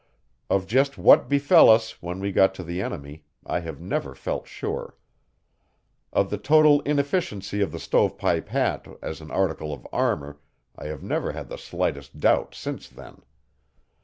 Of just what befell us, when we got to the enemy, I have never felt sure. Of the total inefficiency of the stove pipe hat as an article of armour, I have never had the slightest doubt since then.